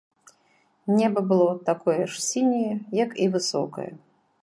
Неба было такое ж сіняе, як і высокае.